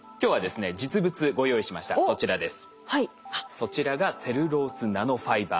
そちらがセルロースナノファイバー。